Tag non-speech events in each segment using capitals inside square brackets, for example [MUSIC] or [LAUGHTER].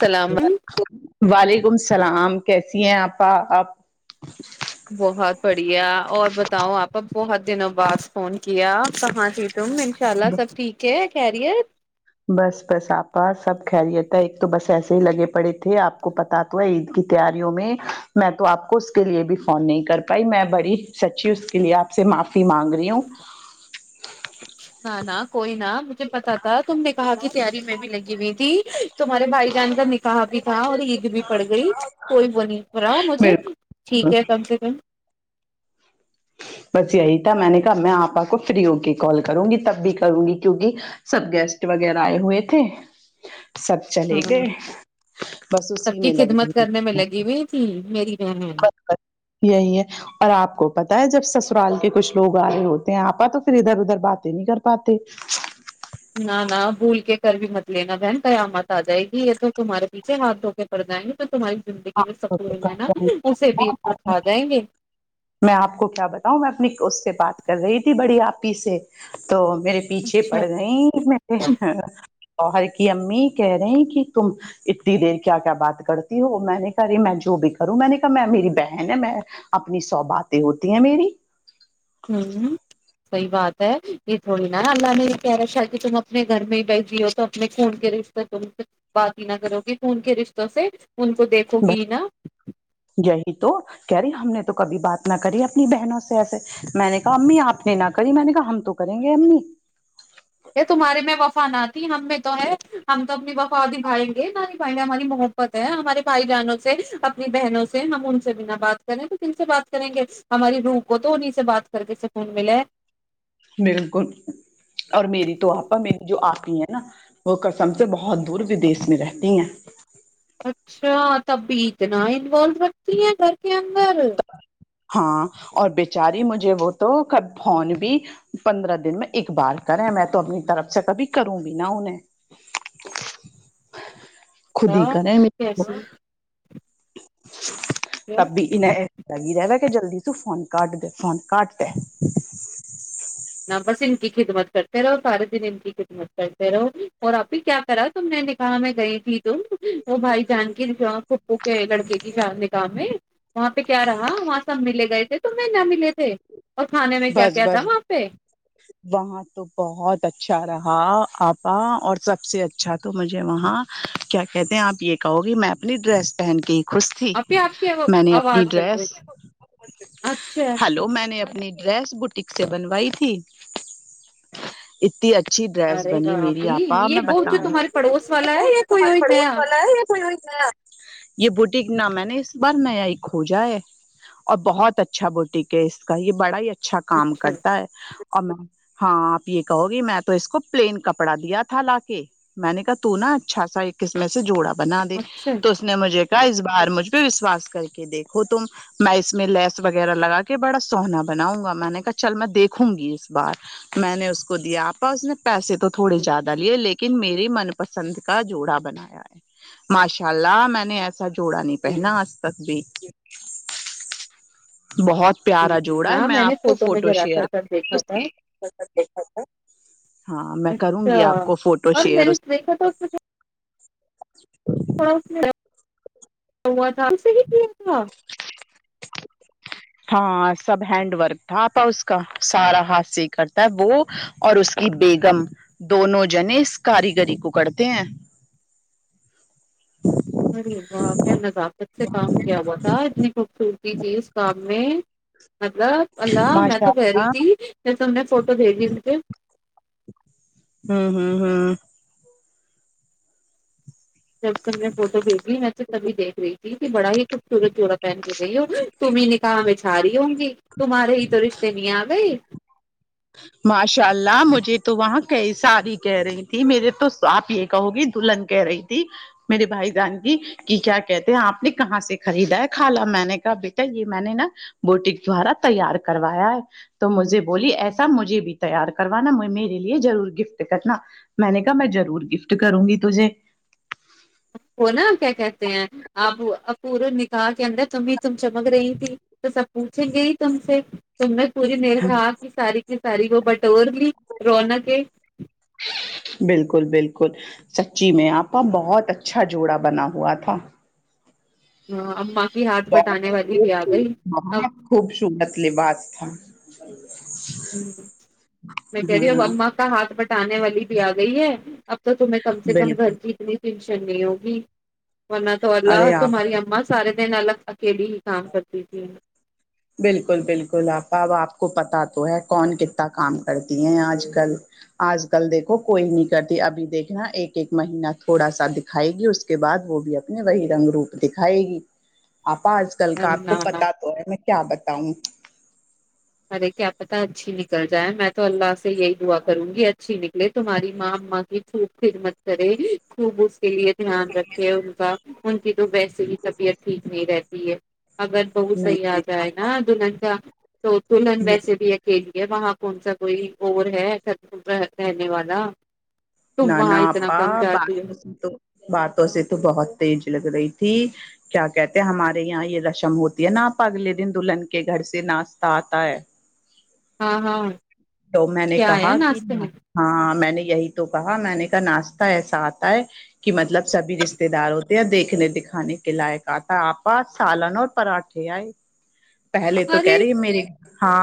سلام وعلیکم السلام کیسی ہیں آپا آپ بہت بڑی یا اور بتاؤ آپا بہت دنوں بعد فون کیا کیا آپ کہاں تم انشاء اللہ سب ٹھیک ہے خیریئت بس بس آپا سب خہریت ایک تو بس ایسے ہی لگے پڑے تھے آپ کو پت تو ہے عید کی تیاریوں میں میں تو آپ کو اس کے لیے بھی فون نہیں کر پائی میں بڑی سچی اس کے لیے آپ سے معافی مانگ رہی ہوں نہ نہ کوئی نہ مجھے پتا تھا تم نکاح کی تیاری میں بھی لگی ہوئی تھی تمہارے بھائی جان کا نکاح بھی تھا اور عید بھی پڑ گئی کوئی وہ نہیں پ رہا مجھے بالکل ٹھیک ہے کم سے کم بس یہی تھا میں نے کہا میں آپ کو فری ہو کے کال کروں گی تب بھی کروں گی کیونک سب گیسٹ وغیرہ آئے ہوئے تھے سب چلے ہاں گئے بس سب اسی کی میں لگے خدمت کرنے میں ہو لگی ہوئی تھی میری بہن یہی ہے اور آپ کو جب سسرال کے کچھ لوگ آ رہے ہوتے ہیں آپ تو پھر ادھر ادھر باتیں نہیں کر پاتے نہ نہ بھول کے کر بھی مت لینا بہن قیامت آ جائے گی یہ تو تمہارے پیچھے ہاتھو پڑ جیں گے تو تمہاری زندگی میں [UNINTELLIGIBLE] سکون ہے نا اسے بھی کھا جائیں گے بات کر رہی تھی بڑی آپ ہی سے تو تو میرے پیچھے پڑ اچھا گئی م تووہر کی امی کہہ رہی ہیں کہ تم اتنی دیر کیا کیا بات کرتی ہو میں نے کہا رہی میں جو بھی کروں میں نے کہا میں میری بہن ہے میں اپنی سو باتیں ہوتی ہیں میری ہ صحی بات ہے یہ تھوڑی نا اللہ نے یہ کہہ را کہ تم اپنے گھر میں ہی بیھ جی ہو تو اپنے خون کے رشتے تم سے بات ہی نہ کرو کہ خون کے رشتوں سے ان کو دیکھو گی نا جی تو کہہ رے ہم نے تو کبھی بات نہ کری اپنی بہنوں سے ایسے میں نے کہا امی آپ نے نہ کری میں نے کہا ہم تو کریں گے امی یہ تمہارے میں وفا نہ تھی ہم میں تو ہے ہم تو اپنی وفا دبھائیں گے نہ نھائیں گے ہماری محبت ہے ہمارے بھائی جانوں سے اپنی بہنوں سے ہم ان سے بھی نہ بات کریں تو جن سے بات کریں گے ہماری روح کو تو انہیں سے بات کر کے سکون ملے بالکل اور میری تو آپا میری جو آپی ہیں نا وہ کسم سے بہت دور ودیش میں رہتی ہیں اچھا تب بھی اتنا انوالو رکھتی ہیں گھر کے اندر ہاں اور بچاری مجھے وہ تو کب فون بھی پندرہ دن میں ایک بار کریں میں تو اپنی طرف سے کبھی کروں بھی نا انہیں خود ہی کریں کیسی ہے تب بھی لگ رہاا جلدی ت فون کاٹ د فون کاٹ د نہ بس ان کی خدمت کرتے رہو سارے دن ان کی خدمت کرتے رہو اور ابھی کیا کرا تم نے نے کہا میں گئی تھی تم وہ بھائی جان کی پپو کے لڑکے کی جان نکاہ میں وہاں پہ کیا رہا وہاں سب ملے گئے تھے ت میںیں نہ ملے تھے اور کھانے میں کیا بس کیا تھا بس وہ [UNINTELLIGIBLE] وہاں تو بہت اچھا رہا آپا اور سب سے اچھا تو مجھے وہاں کیا کہتے ہیں آپ یہ کہو گی میں اپنی ڈریس پہن کے خوش تھی ابھی آپ کی میں نے اپنی آواز کٹ رہی ڈریس اچھا ہلو میں نے اپنی رریس بوٹک سے بنوائی تھی [UNINTELLIGIBLE] انی اچھی ڈریس ارے بنی میری بھابھی آپا یہ میں وہ بتے جو تمہارے پڑوس والا ہے یا کوئی اور پڑوس نیا والا ہے کو یہ بوٹیک نہ میں نے اس بار نیا ایک کھوجا ہے اور بہت اچھا بوٹیک ہے اس کا یہ بڑا ہی ا اچھا کام کرتا ہے اور میں ہاں آپ یہ کہو گی میں تو اس کو پلین کپڑا دیا تھا لا کے میں نے کہا تو نا اچھا سا ایک قسمے سے جوڑا بنا دی اچھا تو اس نے مجھے اس بار مجھ پہ وشواس کر کے دیکھو تم میں اس میں لیس وغیرہ لگا کے بڑا سوہنا بناؤں گا میں نے کہا چل میں دیکھوں گی بار میں نے اس کو دیا آپا اس نے پیسے تو تھوڑی زیادہ لیے لیکن میری من پسند کا جوڑا بنایا ہے ماشاء اللہ میں نے ایسا سا جوڑا نہیں جی پہنا آج تک بھی [INAUDIBLE] بہت جی پیارا جی جوڑا ہے نا میں نے آپ کو میں فوٹو ذرا سا شیئر سر دیکھا تھا ہاں میں کروں اچھا گی آپ کو فوٹو اور میں شیئر نے اس دیکھا تھا اس میں [INAUDIBLE] [UNINTELLIGIBLE] سے کی ہوت ہاں سب ہینڈ ورک تھا آپا اس کا سارا ہاتھ سے کرتا ہے وہ اور اس کی بیگم دونوں جنے اس کاریگری کو کرتے ہیں ارے واہ کیا نزاکت سے کام کیا ہوا تھا اتنی خوبصورتی تھی اس کام میں مطلب اللہ میں ماشاء تو کہہ رہی اللہ تھی جیسے تم نے فوٹو بھی دی مجھے ہمم ہمم ہمم جب تک میں فوٹو بھیجی میں تو تبھی دیکھ رہی تھی کہ بڑا ہی خوبصورت جوورا پہن کے گئی ہوگی تم ہی نہ کہا میں چھا رہی ہوں گی تمہارے ہی تو رشتے نہیں آ گئے ماشاء اللہ مجھے تو وہاں کئی ساری کہہ رہی تھی میرے تو آپ یہ کہو گی دلہن کہہ رہی تھی میرے بھائی جان کی کہ کیا کہتے ہیں آپ نے کہاں سے خریدا ہے خالا میں نے کہا بیٹا یہ میں نے نا بوٹک دوارا تیار کروایا ہے تو مجھے بولی ایسا سب مجھے بھی تیار کروانا میرے لیے ضرور گفٹ کرنا میں نے کہا میں ضرور گفٹ کروں گی تجھے وہ نہ کیا کہتے ہیں آپ پورے نکاح کے اندر تم تم چمک رہی تھی تو سب پوچھیں گے ہی تم سے تم نے پوری میرکھا کی ساری ساری کو بٹ [UNINTELLIGIBLE] توور بھی رونق ہے بالکل بالکل سچی میں آپا بہت اچھا جوڑا بنا ہوا تھا ہاں کی ہاتھ بہت بٹانے والی بھی آ گئی اب خوب شگتلی لباس تھا [INAUDIBLE] ہمم میں کہہ رہی ہوں اب ہاں اما کا ہاتھ بٹانے والی بھی آ گئی ہے اب تو تمہیں کم سے کم گھر بالکل کی اتنی ٹینشن نہیں ہوگی ورنہ تو اللہ ارے آپ تہاری اما سارے دن الگ کے بھی ہی کام کرتی تھی بالکل بالکل آپا اب آپ کو پتا تو ہے کون کتنا کام کرتی ہیں آج کل آج کل دیکھو کوئی نہیں کرتی ابھی دیکھنا ایک ایک مہینہ تھوڑا سا دکھائے گی اس کے بعد وہ بھی اپنے وہی رنگ روپ دکھائے گی آپا آج کل کا آپ کو نہ نہ پتا تو ہے میں کیا بتاؤں ارے کیا پتا اچھی نکل جائے میں تو اللہ سے یہی دعا کروں گی اچھی نکلے تمہاری ماں ااں کی خوب خدمت کرے خوب اس کے لیے دھیان رکھے ان کا ان کی [UNINTELLIGIBLE] تو ویسے ہی طبیعت ٹھیک نہیں رہتی ج [UNINTELLIGIBLE] آگاد بہ نہیں سئی آ ہے ن ا ننگ [UNINTELLIGIBLE] دلہن نہیں یہ ویسے بھی اکیلی وہاں کون سا کوئی اور ہے رہنے والا تم نہ وہاں نہ اتنا اا کم جاتی ہو باتوں سے تو باتوں سے تو بہت تیز لگ رہی تھی کیا کہتے ہیں ہمارے یہاں یہ رسم ہوتی ہے آپا اگلے دن دلہن کے گھر سے ناشہ آتا ہے ہاں ہاں تو میں نے کیا آیا کہا کہ ناشتے میں ہاں میں نے یہی تو کہا میں نے کہ ناشہ ایسا آتا ہے کہ مطلب سبھی رشتے دار ہوتے ہیں دیکھنے دکھانے کے لائق آتا آپاس سالن اور پراٹھے آئے پہلے تو کہہ ارے رہی میری ہاں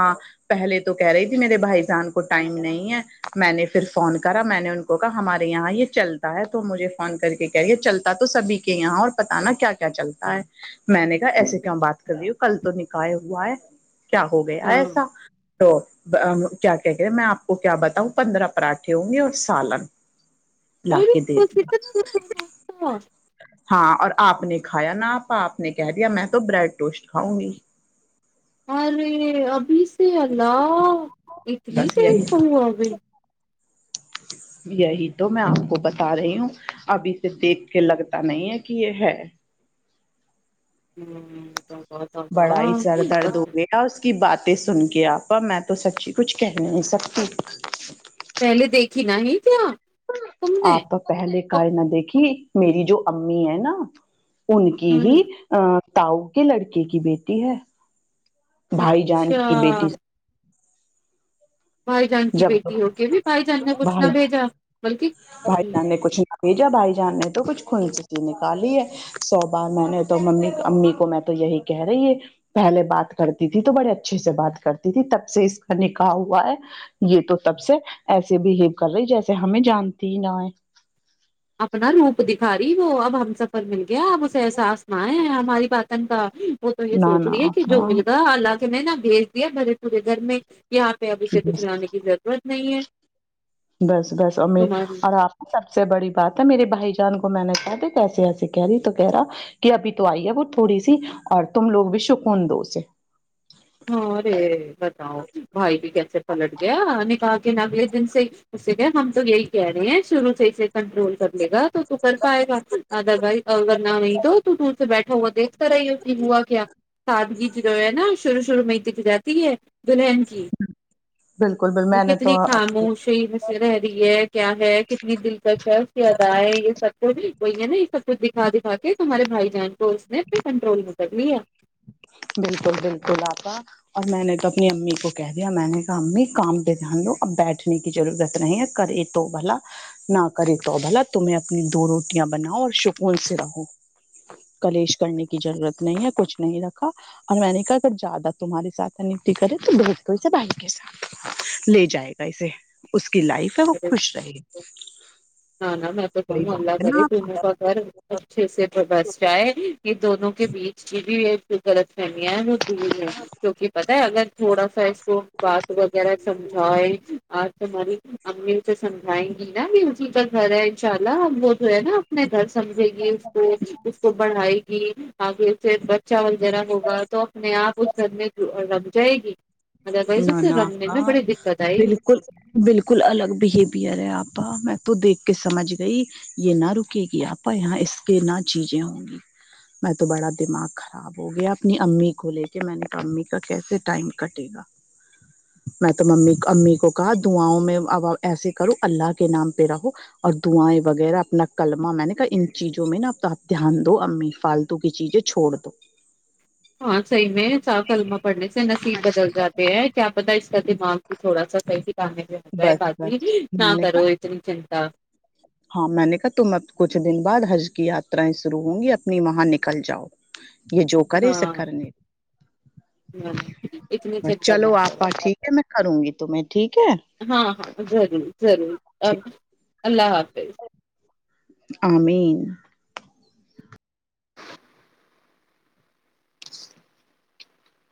پہلے تو کہہ رہی تھی میرے بھائی جان کو ٹائم نہیں ہے میں نے پھر فون کرا میں نے ان کو کہا ہمارے یہاں یہ چلتا ہے تو مجھے فون کر کے کیا یہ چلتا تو سبھی کے یہاں اور پت نا کیا کیا چلتا ہے میں نے ایسے کیوں بات کر رہی ہوں کل تو نک کاائے ہوو ہے کیا ہو گیا ہاں ایسا [UNINTELLIGIBLE] کیا کہ کہے ہیں میں آپ کو کیا بتاؤں پندرہ پراٹے ہوں گے اور سالن لا ارے کے د بس اتنا دیا سا ناشتہ ہاں اور آپ نے کھایا نا آپپ نے کہہ دیا میں تو بریڈ ٹوسٹ کھاؤں گی اور ابھی ی اللہ [UNINTELLIGIBLE] اتنی بس دیر یہی پ ابھی یہی تو میں آپ کو بتا رہی ہوں اب اسے دیکھ کے لگتا نہیں ہے کہ یہ ہے ہمم بڑا ہی سر درد ہو گیا اس کی بات تے سن کے آپا میں تو سچی کچھ کہہ نہیں سکتی پہلے دیکھیھی نہ ہی کیا تم نے آپ تو پہلے اب- کائی نہ دیکھی میری جو امی ہے نا ان کی ہوں، ہی ا [UNINTELLIGIBLE] تاؤ کے لڑکے کی بیٹی ہے بھائی جان اچھا کی بیٹی بھائی جان کی جب بیٹی ہو کے بھی بھائی جان نے کچھ نہ بھائی بھیجا بلکہ بھائی جان نے کچھ نہ بھیجا بھائی جان نے تو کچھ خھنی نکالی ہے سو بار میں نے تو ممی امی کو میں تو یہی کہہ رہی ہے پہلے بات کرتی تھی تو بڑے اچھے سے بات کرتی تھی تب سے اس کا نکاح ہوا ہے یہ تو تب سے ایسے بہیو کر رہی جیسے ہمیں جانتی ہی نہ ہیں ھاری وہ اب ہم سب ہہ کیا آپ اسے احساس نہ آئے ہیں آپ بھائی باتن کا وہ تو یہ نہ سوچ نہ رہی ہے کہ جو ہاں ملتا ہے اللہ کے نہ نم بھیج دیا میرے پورے گھر میں کیا آاں پہ ابھی سے کچھ بس لانے کی ضرورت نہیں ہے بس بس ا تمہاری اور آپ سب سب سے بڑی بات ہے میرے بھائی جان کو میں نے کہا کیسے ایسے کہہ رہی تو کہہ رہا کہ ابھی تو آئی ہے وہ تھوڑی سی اور تم لوگ بھی شکون دو سے ہاں ارے بتاؤ بھائی بھی کیسے پلٹ گیا نے کہا کہ اگلے دن سے اسے گ ہم تو یہی کہہ رہے ہیں شروع سے ہی سے کنٹرول کر لے گا تو کر پائے گا ادر وائز اگر نہ نہیں تو تو سے بیٹھا ہوا دیک طرح ہی اس کی ہوا کیا سادگی ج جوو ہے نا شروع شروع میں ہی دکھ جاتی ہے دلہن کی بالکل بل میں نے تو کتنی اپنی خاموشی میں سے رہ رہی ہے کیا ہے کتنی دل چ کی ادا یہ سب کچھ کوئی ہے نا یہ سب کچھ دکھا دکھا کے تمہارے بھائی جانن کو ن کنٹرول متب بھییا بالکل بالکل آپ کا اور میں نے تو اپنی امی کو کہہ دیا میں نے کہا امی کام پہ دھیان دو اب بیٹھنے کی ضرورت نہیں ہے کرے تو بھلا نہ کرے تو بھلا تمہیں اپنی دو روٹیاں بناؤ اور سکون سے رہو کلیش کرنے کی ضرورت نہیں ہے کچھ نہیں رکھ اور میں نے کہا اگر زیادہ تمہاریےات نتی کرے تو ب کوے بھائی کے ساتھ لے جائے گا اسے اس کی لائف ہے وہ خوش رہے نہ نہ میں تو صحیح کہوں بات اللہ ہے نا کرے آپا، دونوں کا گھر اچھے سے بس جائے یہ دونوں کے بیچ جو غلط فہمیاں دور ہووں گی کیوںکہ پت ہے اگر تھوڑا سا اس کو بات وغیرہ سمجھائے آ ہماری امی اسے سمجھائیں گی نا بھی اسی کا گھر ہے انشاء اللہ وہ جو ہے نا اپنے گھر سمجھے گی اس کو اس کو بڑھائے گی آگے س بت چا و ذرا ہوگا تو اپنے آپ اس گھر میں ر ج جی نہ نہ ہاں دقت آئے گی بالکل بالکل کل الگ بہیویئر ہے آپا میں تو دیکھ کے سمجھ گئی یہ نہ رکے گی آپا یہاں اس کے نہ چیزیں ہوں گی میں تو بڑا دماغ خراب ہو گیا اپنی امی کو لے کے میں نے امی کا کیسے ٹائم کٹے گا میں تو ممی امی کو کہا دعاؤں میں اب ایسے کرو اللہ کے نام پہ رہو اور دعیں وغیرہ اپنا کمہ میں نے کہا ان چیزوں میں ناپ دھیان دو امی فالتو کی چیزیں چھوڑ دو ہاں صحیح میں کلمہ پڑھنے سے نصیب بدل جات ہیں کیا پتا اس کا دماغ تھوڑا سا بس بس میں نے کہا [UNINTELLIGIBLE] ہاں میں نے کہا تم اب کچھ دن بعد حج کی یاترائیں شرع ہوں گی اپنی وہاں نکل جاؤ یہ جو کرے اسے ہاں کرنے نہ نہ اتنی بس چنتا چلو نہ آپ کرو کا ٹھیک ہے میں کروں گی تمہیں ٹھیک ہاں ہےیک ہاں ضرور ضرور اب اللہ حافظ امین